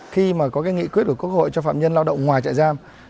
khi mà có cái nghị quyết của quốc hội cho phạm nhân lao động ngoài chạy giam